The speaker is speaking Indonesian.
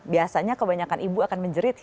biasanya kebanyakan ibu akan menjerit